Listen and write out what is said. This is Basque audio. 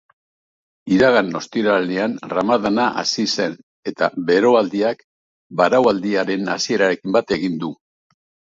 Iragan ostiralean ramadana hasi zen eta beroaldiak baraualdiaren hasierarekin bat egin du.